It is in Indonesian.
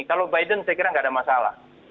kalau biden saya kira nggak ada masalah